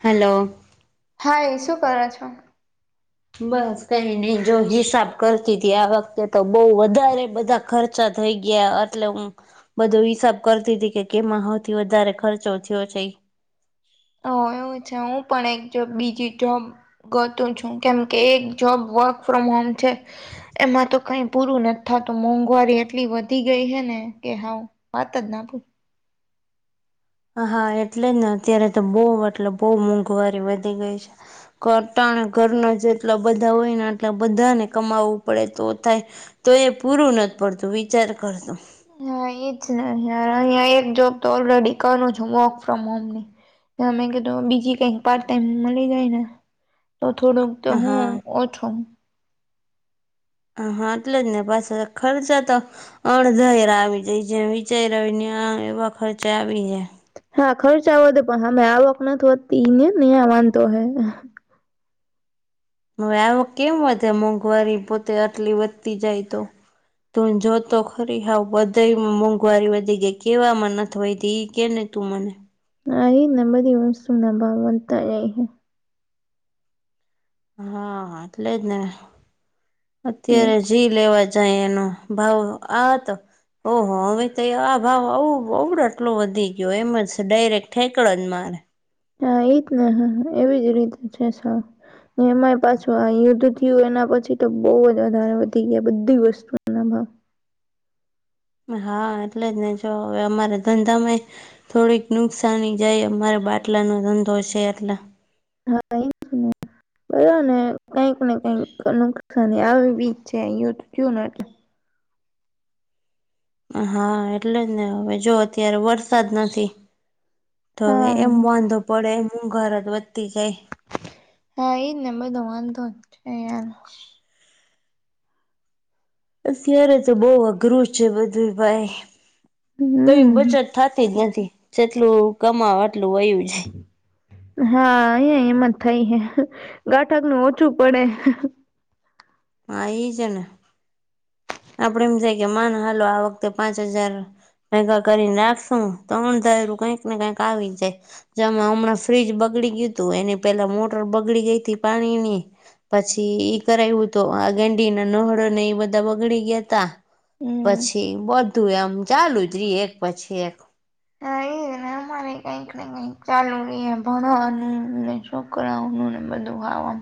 Hello. Hi શું કરો છો? બસ કઈ નહી જો હિસાબ કરતી હતી આ વખતે તો બઉ વધારે બધા ખર્ચા થઈ ગયા એટલે હું. બધો હિસાબ કરતી હતી કે કેમાં સૌથી વધારે ખર્ચો થયો છે. હ એવું છે. હું પણ એક જો બીજી જોમ. ગોતું છું કેમ કે એક જોબ વર્ક ફ્રોમ હોમ છે. એમાં તો કઈ પૂરું નથી થતું. મોંઘવારી એટલી વધી ગઈ હે ને કે હ વાત જ ના ભ હા એટલે જ ને અત્યારે તો બહ એટલે બહુ મોંઘવારી વધી ગઈ છે. કટાણે ઘરના જેટલા બધા હોય ને આટલા બધાને કમાવવું પડે તો થાય. તો એ પૂરું નથી પડતું વિચાર કરતો. હા એજ ને યાર અહીયાં એક જોબ તો ઓલરેડી કરું છું વર્ક ફ્રોમ હોમ ની. અમે કીધું બીજી કઈક પાર્ટ ટાઈમ મળી જાયને તો થોડુંક તો હું હા ઓછો હ હા એટલે જ ને પાછ ખર્ચા તો અડધ હાર આવી જાય જે વિચાર આવી ને આ એવા ખર્ચા આવી જાય હા ખર્ચ વધે પણ હામે આવક નથ વધતીને ન્યા વાંધો હે હવે આવો કેમ વધે મોંઘવારી પોતે આટલી વધતી જાય તો તું જોતો ખરી હઉ બધામાં મોંઘવારી વધી ગઈ કેવામાં નથી વયધિ હોય કે ને તુ મને અરે નંબર શું નં બનતા જાય હ હા એટલે જ ને અત્યારે હા જી લેવા જાય એનો ભાવ આહ ઓહો હવે તો આ ભાવ આવું બવ આટલો વધી ગયો એમ જ ડાયરેક્ટ ઠેકડો જ મારે હા એજ ને હ એવી જ રીતે છે. એમાંય પાછું આ યુદ્ધ થયું એના પછી તો બહુ જ વધારે વધી ગયા બધી વસ્તુના ભાવ હા એટલે જ ને જો હવે અમારે ધંધામાંય થોડીક નુકસાની જાય, અમારે બાટલાનો ધંધો છે એટલે હા [unintelligible] ને કઈક ને કઈક નુકસની આવી જ જાય છે અ તો થયું ને એટલે હા એટલે જ ને હવે જો અત્યારે વરસાદ નથી, તો હવે હા એમ વાંધો પડે, શુંઘાર જ વધતી જાય હા એ જ બધો વાંધો જ છે યાર અત્યારે તો બવ અઘરું છે બધું ભાઈ. કઈ બચત હમ થતી જ નથી જેટલું કમાવ આટલું વયું જાય. હા અ એમ જ થાય હે, ગાઠકનું ઓછું પડે હા એ જ ને. આપડે એમ થાય કે માન હાલો આ વખતે પાંચ હજાર ભેગા કરીને રાખશું તો અણધારું કઈક ને કઈક આવી જાય. જેમાં હમણાં ફ્રીઝ બગડી ગયુતું, એની પેલા મોટર બગડી ગઈ હતી પાણીની પછી ઈ કરાયવું તો આ ગેંડીના નળ ને એ બધા બગડી ગ્યાતા, હમ પછી બધું એમ ચાલુ જ રી એક પછી એક [inaudible] અમારેય કઈક ને કઈક ચાલુ રયે ભણવાનુંને છોકરાવનું ને બધું હવ આમ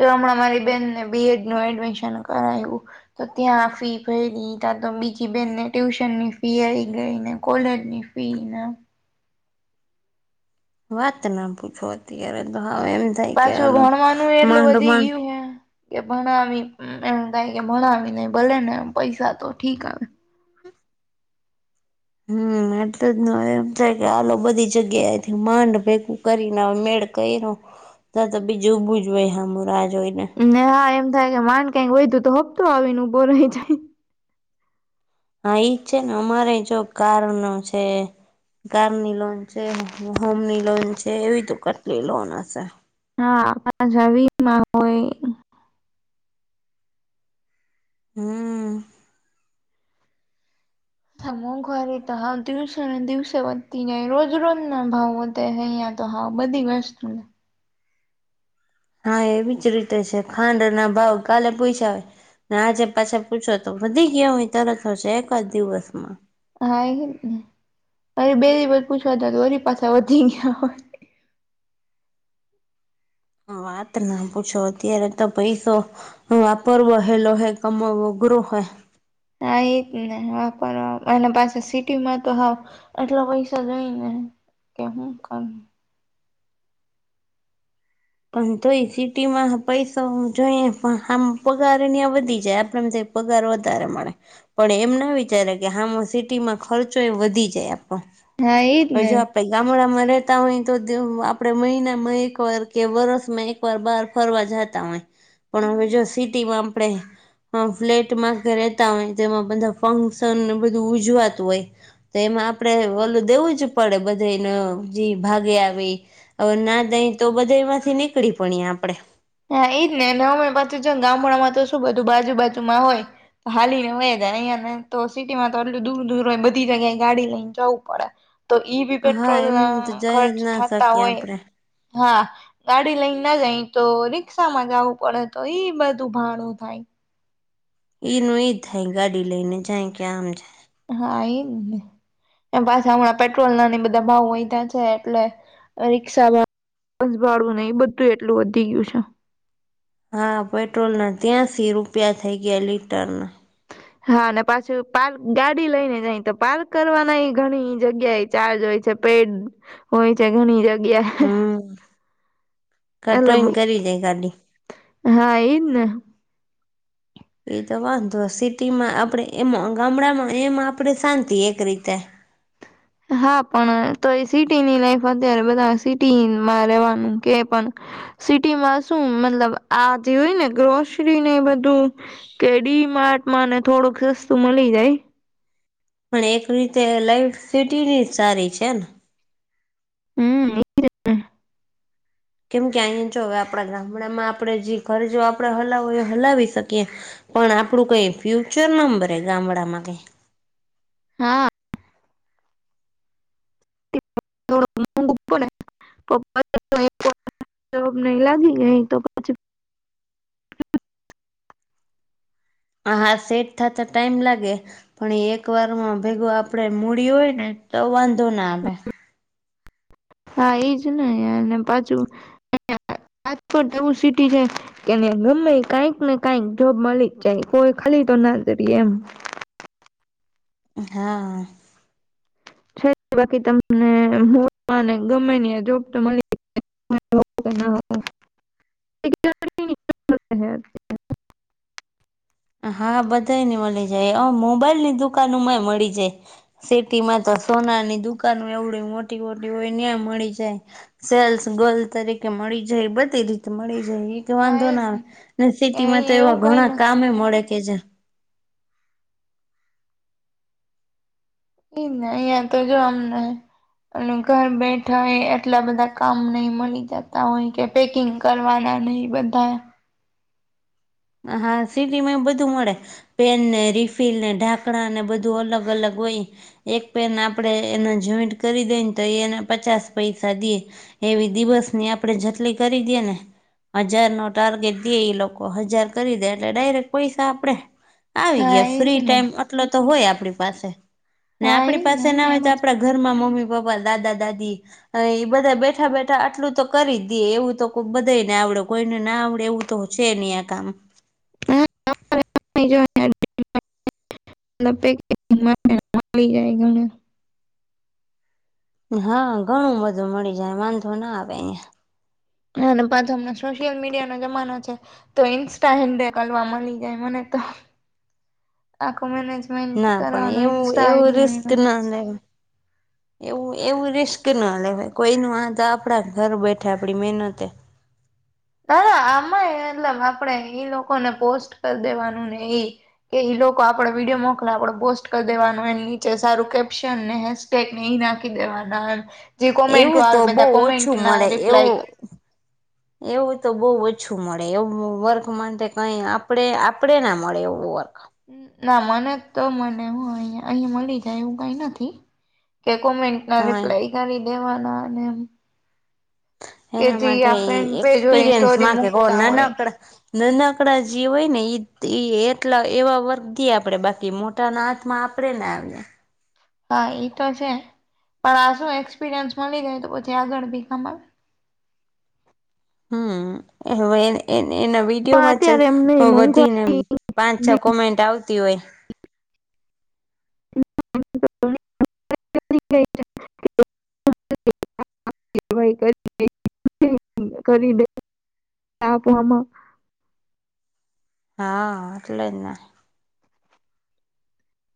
જો હમણાં મારી બેનને બીએડ નું એડમિશન કરાયુ તો ત્યાં ફી ભયરી ત્યાં તો બીજી બેનને ટ્યુશન ની ફી આવી ગઈને કોલેજની [unintelligible] વાત ના પૂછો અત્યારે તો હાવ એમ થાય કે પાછું હાલો ભણવાનું એટલું માંડ વધી માંડ ગયું હે કે ભણાવી એમ થાય કે ભણાવીને ભલે ને પૈસા તો ઠીક હવે હમ એટલે જ ન એમ થાય કે, હાલો બધી જગ્યા માંડ ભેગુ કરીને મેળ ક્યરો તા તા બીજું ઊભું જ હોય હામે રાહ જોઈ ને ને હા એમ થાય કે માંડ કઈક વયધુ તો હપ્તો આવીને ઊભો રહી જાય. હા એજ ને અમારેય જો કારનો છે, કારની લોન છે, હોમની લોન છે, એવી તો કેટલી લોન હશે. હા [unintelligible] આવીમાં હોય હમ. મોંઘવારી તો હાવ દિવસે ને દિવસે વધતી જાય, રોજ રોજ ના ભાવ વધે હે યા તો હા બધી વસ્તુ હા એવી જ રીતે છે, ખાંડના ભાવ કાલે પોઇચા ના આજે પાછા પૂછો તો વધી ગની તરસો છે એકાદ દિવસમાં હા બે દિવ પૂછવા ત વરી પાછા વધી ગયા હોય. વાત ના પૂછો અત્યારે તો પૈ તો વાપર વહેલો હોય કમઘરો હોય. હ એ જ ને વાપર અને પાસે સિટી માં તો હ એટલા પૈસા જઈ ને કે હું કરું પણ જોઈ સિટી માં પૈસા જોઈએ પણ આમ પગારની વધી જાય આપડ પગાર વધારે મળે. પણ એમ ના વિચારે કે હામાં સિટીમાં ખર્ચો એ વધી જાય આપણો. હા એદ ને. પ ગામડામાં રહેેતા હોય તો આપડે મહિનામાં એક વાર કે વરસમાં એકવાર બહાર ફરવા જતા હોય પણ હવે જો સિટીમાં આપણે હ ફ્લેટમાં રહેતા હોય તેમાં બધા ફંક્શન બધું ઉજવાતું હોય. તો એમાં આપણેે ઓલું દેવું જ પડે બધેને જે ભાગે આવી હવે ના દઈ તો બધા એમાંથી નીકળી પણએ આપડે હા ઈજ ને હમે પાછી જ ગામડામાં તો શું બધું બાજુ બાજુમાં હોય હાલી ને હોય જાય અહં ને તો સિટીમાં તો આટલું દૂર દૂર હો બધી જગ્યાએ ગાડી લઈને જવું પડે તો ઈ બી હા પેટ્રોલ એમ તો જઈ જ ખર્ચ ના થતા શકીએ હોય. આપડે હા ગાડી લઈ ના જાય તોને રિક્ષામાં જવું પડે તો એઈ બધું ભાણું થાય. એ ન ઈજ થાય ગાડી લઈને જાય કે આમ જાય. હા એ ન. એ પાછા હમણાં પેટ્રોલ નાની બધા ભાવ હોહી ત છે એટલે રિક્ષા બસ ભાડું નહિ બધું એટલું વધી ગયું છે હા પેટ્રોલ ના ત્યાસી રૂપિયા થઇ ગયા લીટર ના હા અને પાછું પાર્ક ગાડી લઈને જાય તો પાર્ક કરવાના એ ઘણી જગ્યા એ ચાર્જ હોય છે પેડ હોય છે ઘણી જગ્યા હમ કટો એટલે કરી જાય ગાડી હા એન એતો વાંધો સિટીમાં આપણે એમાં ગામડામાં એમાં આપડે શાંતિ એક રીતે હા પણ તો એ સિટી ની લાઈફ અત્યારે બધા સિટીમાં રવાનું કે પણ સિટીમાં શું મતલબ આ જે હોય ને ગ્રોસરી ને બધું કે ડી માર્ટમાં ને થોડુંક સસ્તું મળી જાય પણ એક રીતે લાઈટ સિટીની જ સારી છે ને હમ કેમ કે અહીયા જો હવે આપણા ગામડામાં આપણેે જે ઘર જોો આપણેે હલાવ હલાવી શકીએ પણ આપણું કઈ ફ્યુચર નંબરે ગામડામાં કઈ હા [unintelligible] [inaudible] [unintelligible] [inaudible] [unintelligible] [inaudible] [unintelligible] [inaudible] જોબ નહી લાગી ગઈ તો પછી [inaudible] [unintelligible] હા સેટ થત ટાઈમ લાગે. પણ એ એક વાર માં ભેગું આપે મૂડી હોય ને તો વાંધો ના આવેે હા એજ ને યાર પાછું આજ પણ નવું સિટી છે કેને ગમે કઈક ને કઈક જોબ મળી જ જાય કોઈ ખાલી તો ના જરી એમ હા છે બાકી તમને ગમે જોબ તો મળી [unintelligible] હા બધા ને મળી જાય મોબાઈલ ની દુકાનમાંય મળી જાય સિટી માં તો સોનાની દુકાાન એવડી મોટી મોટી હોયને મળી જાય સેલ્સ ગલ્ તરીકે મળી જાય બધી રીતે મળી જાય હા વાંધો એજ ના આવે ને સિટીમાં તો અહીંયા એવા એવું કઈ ઘણા નથી કામે મળે કે જે એ નહી એ તો જો અમને અને ઘર બેઠા એ એટલા બધા કામ નને મળી જતા હોય કે પેકિંગ કરવાના નહીં બધા હા સિટી માં એ બધું મડે પેનને, રિફિલને, ઢાંકણાંને બધું અલગ અલગ હોય. એક પેન આપણેે એને જોઈન્ટ કરી દઈ ને તો એ એને પચાસ પૈસા દીએ. એવી દિવસ ની આપણે જેટલી કરી દયને હજાર નો ટારગેટ દયે ઈ લોકો હજાર કરી દે એટલે ડાયરેક્ટ પૈસા આપડે આવી હા ગયા એજ ફ્રી ને ટાઈમ ટલો તો હોય આપડી પાસે ને હા આપડી એજ ને પાસે ના અમે હોય એમ તો જ આપડા ઘરમાં મમ્મી પપ્પા, દાદા-દાદિ અઈ બધા બેઠા બેઠા આટલું તો કરી જ દેએ એવું તો કોક બધા ને આવડે કોઈને ના આવડે એવું તો છે એની આ કામ [unintelligible] [inaudible] [unintelligible] [inaudible] હા ઘણું બધું મળી જાય વાંધો ના આવે અઈંયા. અને પાછો હમણા સોશિયલ મીડિયાનો જમાનો છે. તો ઇન્સ્ટા હેન્ડેકલવા મળી જાય મને તો આખું મેનેજ ના પણ એવું એવું રિસ્ક ને ના લેવ એવું એવું રિસ્ક ના લેવા કોઈનું આ તો આપણા ઘર બેઠા આપડી મહેનતે. ના ના આમાં એટલે આપણેે ઈ લોકોને પોસ્ટ કર દેવાનું ને ઈ. કે ઈ લોકો આપડે વિડીયો મોકલા આપડે પોસ્ટ કરી દેવાનું એની નીચે સારું કેપ્શન ને હેસ ટેક ને ઈ નાખી દેવાના અન જે કોમેન્ટો એવું તો આવે બહુ બધા કોમેન્ટ ઓછું ના મળે રિપ્લાય એવું ક એવું તો બહુ ઓછું મળે એવું વર્ક માટે કઈ આપડે આપડે ના મળે એવું વર્ક. ના મને જ તો મને હો અહીયા અહીંયા મળી જાય એવું કઈ નથી. કે કોમેન્ટ ના હા રિપ્લાય કરી દેવાના અને એમ કે એના જે માટે આ ફેન પેજ હોય એક્સપિરિયન્સ સ્ટોરી માં કે કો મુકતા હોય નાનકડા નનકડા જે હોય ને ઈ-ઈ એટલા એવા વર્ગદી આપડે બાકી મોટ ટનાથમાં આપડે નાવિયા. હા એ તો છે પણ આ શું એક્સપિરિયન્સ મળી જાય તો પછી આગળ બી કામ આવે. હમ્મ [unintelligible] એના પણ અત્યારે એમ નહી વિડીયોમાં વધીને પાંચ છ કોમેન્ટ આવતી. તી હોય મોંઘવારી [unintelligible] [inaudible] [unintelligible] [inaudible] કરી બે આપવામાં [unintelligible] [inaudible] હા એટલેજ ને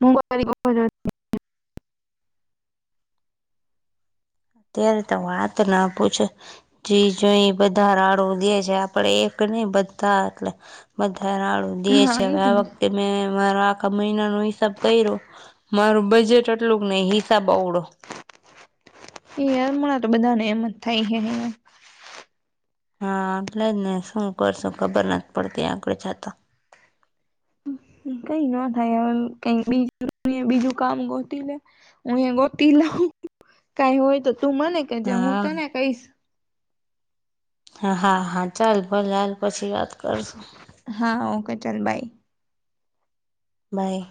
હુંગ આવી [unintelligible] [inaudible] અત્યારે તો વાત ના પૂછે જી જોઈએ બધા રાડું દે છે આપડે એક ની બધા એટલે બધા રાડું દે હા છે હવે એજ આ ને વખતે મેં મારા આખા મહિના નો હિસાબ કઈયો. મારું બજેટ આટલું જ નહી હિસાબ આવડો. એયાર હણાંતો બધા ને એમ થાય છે. હા એટલે જ ને શું કરશું ખબર નથી પડતી આગળ છતા. કઈ નો થાય હવે કઈ બીજું [unintelligible] બીજું કામ ગોતી લે. હું એ ગોતી લઉં કાઈ હોય તો તું મને કેજે હું હા તને કઈશ. હા હા હા ચાલ ભલે હાલ પછી વાત કરશું. હા ઓકે ચલ બાય બાય